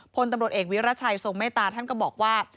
พลตำรวจเอกวิรัชัยทรงเมตตาท่านก็บอกว่า